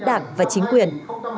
đảng và chính quyền